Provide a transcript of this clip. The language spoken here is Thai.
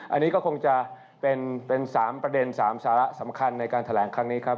อันนี้ก็คงจะเป็น๓ประเด็น๓สาระสำคัญในการแถลงครั้งนี้ครับ